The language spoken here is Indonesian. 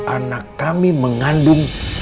anak kami mengandung